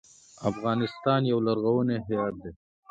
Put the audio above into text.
افغانستان یو لرغونی هیواد دی.